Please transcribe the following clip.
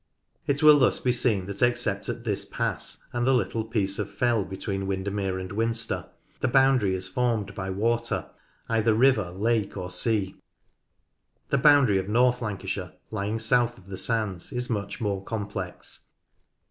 It will thus be seen that except at this pass, and the little piece of fell between Windermere and Winster, the boundary is formed by water, either river, lake, or sea. The boundary of North Lancashire lying south of the sands is much more complex.